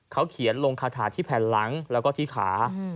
เขาเขียนลงคาถาที่แผ่นหลังแล้วก็ที่ขา